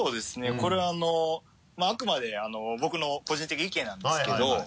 これあのあくまで僕の個人的意見なんですけど。